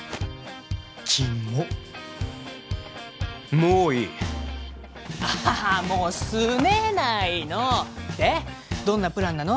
キモッもういいああもうすねないのでどんなプランなの？